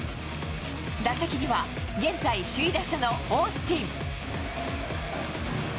打席には現在首位打者のオースティン。